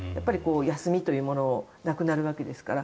休みというものがなくなるわけですから。